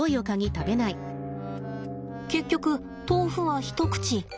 結局豆腐は一口。